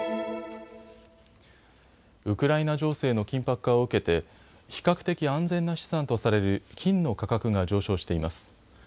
ウクライナ情勢の緊迫化を受けて比較的安全な資産とされる金の価格が上昇しています。